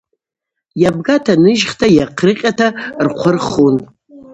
Йабгата ныжьхта йахърыкъьата рхъвы рхун.